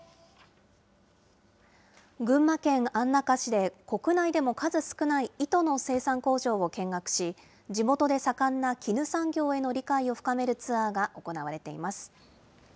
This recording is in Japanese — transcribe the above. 群馬県安中市で、国内でも数少ない糸の生産工場を見学し、地元で盛んな絹産業への理解を深めるツアーが行われています。